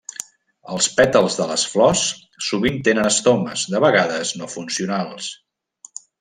Els pètals de les flors sovint tenen estomes, de vegades no funcionals.